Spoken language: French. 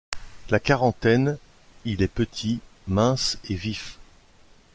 La quarantaine, il est petit, mince et vif.